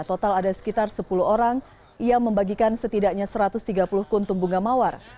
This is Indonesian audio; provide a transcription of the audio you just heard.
total ada sekitar sepuluh orang yang membagikan setidaknya satu ratus tiga puluh kuntum bunga mawar